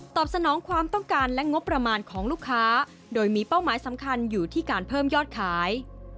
สนองความต้องการและงบประมาณของลูกค้าโดยมีเป้าหมายสำคัญอยู่ที่การเพิ่มยอดขาย